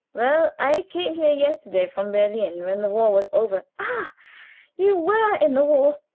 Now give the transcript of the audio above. "Well I came here yesterday from Berlin. When the war was over " "Ah, you were in the war?"